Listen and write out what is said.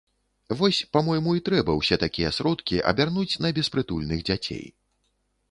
Вось, па-мойму, і трэба ўсе такія сродкі абярнуць на беспрытульных дзяцей.